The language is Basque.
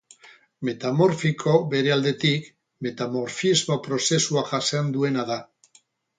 Metamorfiko, bere aldetik, metamorfismo prozesua jasan duena da.